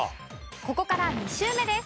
ここから２周目です。